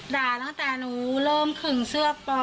ตั้งแต่หนูเริ่มขึงเสื้อปอ